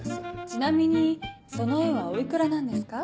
ちなみにその絵はお幾らなんですか？